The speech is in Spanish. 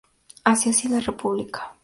Inicia así la República.